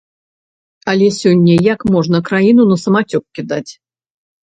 Але сёння як можна краіну на самацёк кідаць?